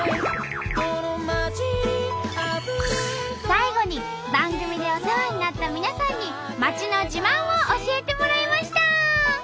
最後に番組でお世話になった皆さんに町の自慢を教えてもらいました！